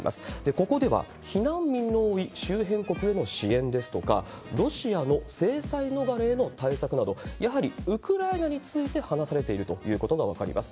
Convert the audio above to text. ここでは避難民の多い周辺国への支援ですとか、ロシアの制裁逃れへの対策など、やはりウクライナについて話されているということが分かります。